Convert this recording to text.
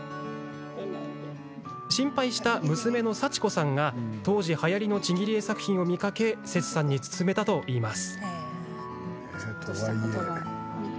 心配した娘の幸子さんが、当時はやりのちぎり絵作品を見かけセツさんに勧めたといいます。